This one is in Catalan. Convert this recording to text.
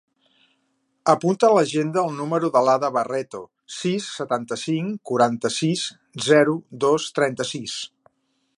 Apunta a l'agenda el número de l'Ada Barreto: sis, setanta-cinc, quaranta-sis, zero, dos, trenta-sis.